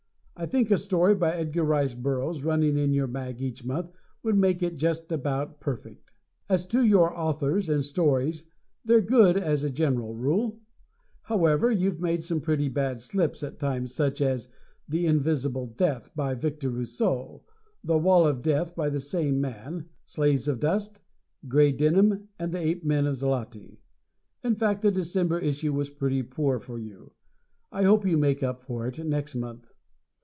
I think a story by Edgar Rice Burroughs running in your mag each month would make it just about perfect. As to your authors and stories, they're good as a general rule; however, you've made some pretty bad slips at times, such as "The Invisible Death," by Victor Rousseau, "The Wall of Death," by the same man, "Slaves of the Dust," "Gray Denim" and "The Ape Men of Xloti." In fact, the December issue was pretty poor for you. I hope you make up for it next month.